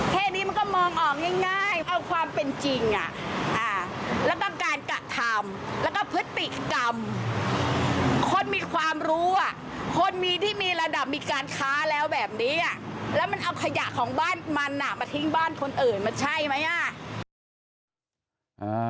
แค่นี้มันก็มองออกง่ายเอาความเป็นจริงแล้วบางการกระทำแล้วก็พฤติกรรมคนมีความรู้อ่ะคนมีที่มีระดับมีการค้าแล้วแบบนี้แล้วมันเอาขยะของบ้านมันมาทิ้งบ้านคนอื่นมันใช่ไหมอ่ะ